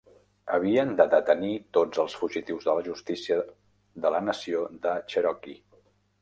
Havien de detenir tots els fugitius de la justícia de la nació de Cherokee.